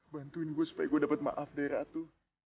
bantuin gue supaya gue dapat maaf dari aku